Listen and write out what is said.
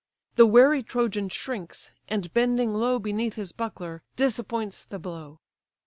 The wary Trojan shrinks, and bending low Beneath his buckler, disappoints the blow.